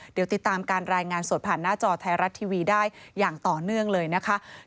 เดี๋ยวติดตามการรายงานสดผ่านหน้าจอไทยรัฐทีวีได้อย่างต่อเนื่องเลยนะคะ